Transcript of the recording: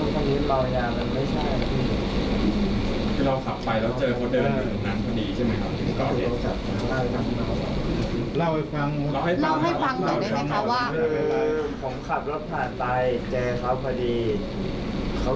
ประสบเหตุพอดีอ่ะ